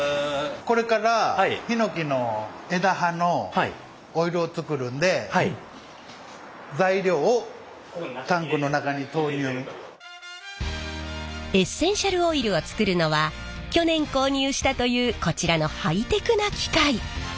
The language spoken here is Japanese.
これからヒノキの枝葉のオイルを作るんでエッセンシャルオイルを作るのは去年購入したというこちらのハイテクな機械。